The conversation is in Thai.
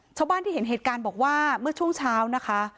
ชาวบ้านที่เห็นเหตุการณ์บอกว่าเมื่อช่วงเช้านะคะ